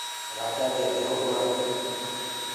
رآجآ دي ريهرو ڪونآ گو